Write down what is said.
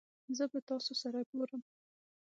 زه به تاسو سره ګورم